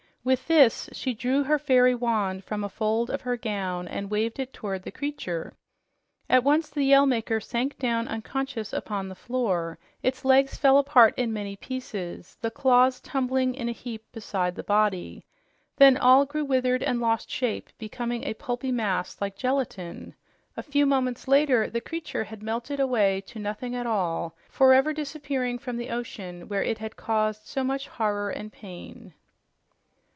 With this, she drew her fairy wand from a fold of her gown and waved it toward the creature. At once the Yell Maker sank down unconscious upon the floor; its legs fell apart in many pieces, the claws tumbling in a heap beside the body. Then all grew withered and lost shape, becoming a pulpy mass, like gelatin. A few moments later the creature had melted away to nothing at all, forever disappearing from the ocean where it had caused so much horror and pain.